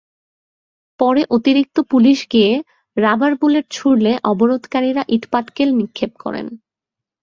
পরে অতিরিক্ত পুলিশ গিয়ে রাবার বুলেট ছুড়লে অবরোধকারীরা ইটপাটকেল নিক্ষেপ করেন।